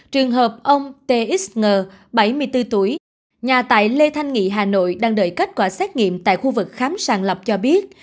trường hợp ông t x ngờ bảy mươi bốn tuổi nhà tại lê thanh nghị hà nội đang đợi kết quả xét nghiệm tại khu vực khám sàng lập cho biết